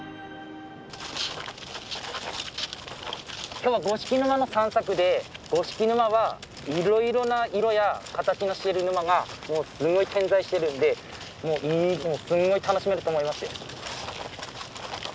今日は五色沼の散策で五色沼はいろいろな色や形のしている沼がすんごい点在してるんでもうすんごい楽しめると思いますよ。